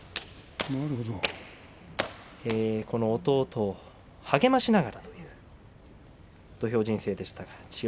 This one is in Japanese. この弟を励ましながらという土俵人生でした。